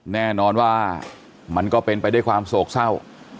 แน่นอนว่ามันก็เป็นไปด้วยความโศกเศร้า